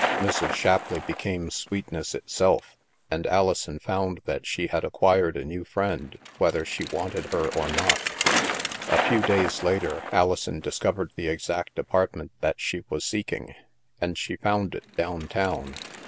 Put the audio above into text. Mrs. Shapleigh became sweetness itself, and Alison found that she had acquired a new friend, whether she wanted her or not. A few days later, Alison discovered the exact apartment that she was seeking, and she found it down town.